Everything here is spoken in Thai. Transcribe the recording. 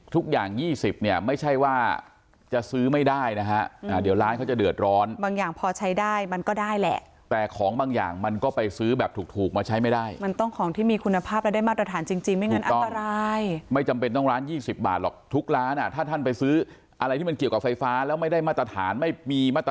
๒๐เนี่ยไม่ใช่ว่าจะซื้อไม่ได้นะฮะเดี๋ยวร้านเขาจะเดือดร้อนบางอย่างพอใช้ได้มันก็ได้แหละแต่ของบางอย่างมันก็ไปซื้อแบบถูกถูกมาใช้ไม่ได้มันต้องของที่มีคุณภาพและได้มาตรฐานจริงไม่งั้นอันตรายไม่จำเป็นต้องร้าน๒๐บาทหรอกทุกร้านอ่ะถ้าท่านไปซื้ออะไรที่มันเกี่ยวกับไฟฟ้าแล้วไม่ได้มาตรฐานไม่มีมต